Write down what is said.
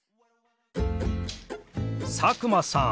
佐久間さん